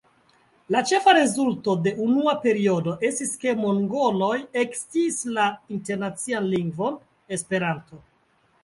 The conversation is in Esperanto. La ĉefa rezulto de unua periodo estis, ke mongoloj eksciis la Internacian lingvon Esperanto.